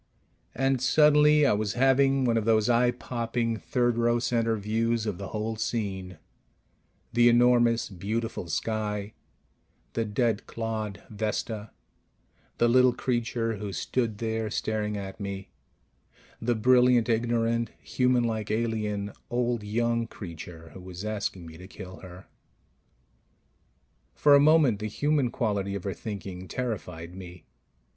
And suddenly I was having one of those eye popping third row center views of the whole scene: the enormous, beautiful sky; the dead clod, Vesta; the little creature who stood there staring at me the brilliant ignorant, humanlike alien, old young creature who was asking me to kill her. For a moment the human quality of her thinking terrified me